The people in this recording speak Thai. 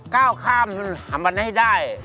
ก้าวข้ามหามันให้ได้